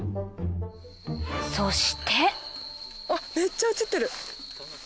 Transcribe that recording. そしてわ！